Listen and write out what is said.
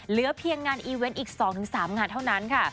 เหลือเพียงงานอีเวนต์อีก๒๓งานเท่านั้นค่ะ